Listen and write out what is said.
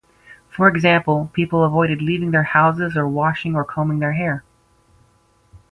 For example, people avoided leaving their houses or washing or combing their hair.